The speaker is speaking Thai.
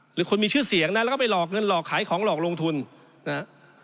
หรือคนมีชื่อเสียงนะแล้วก็ไปหลอกเงินหลอกขายของหลอกลงทุนนะฮะ